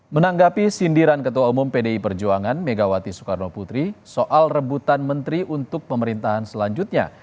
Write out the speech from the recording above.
menanggapi sindiran ketua umum pdi perjuangan megawati soekarno putri soal rebutan menteri untuk pemerintahan selanjutnya